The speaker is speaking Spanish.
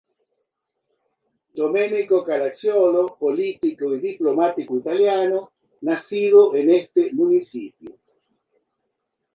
Domenico Caraccioloː político y diplomático italiano nacido en este municipio.